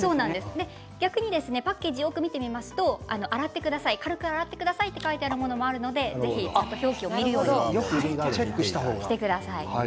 パッケージを見てみると軽く洗ってくださいというのもあるのでぜひ表記を見るようにしてください。